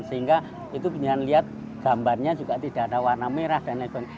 sehingga itu benar lihat gambarnya juga tidak ada warna merah dan lain sebagainya